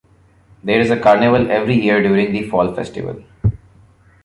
There is a carnival every year during the Fall Festival.